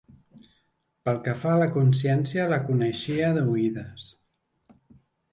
Pel que fa a la consciència la coneixia d'oïdes.